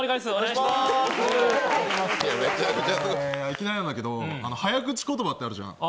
いきなりだけど、早口言葉ってあるじゃん。